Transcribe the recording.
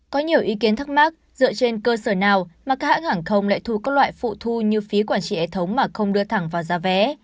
có nhiều ý kiến thắc mắc dựa trên cơ sở nào mà các hãng hàng không lại thu các loại phụ thu như phí quản trị hệ thống mà không đưa thẳng vào giá vé